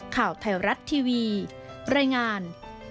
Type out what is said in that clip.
ข่าวไทยรัฐทีวีรายงาน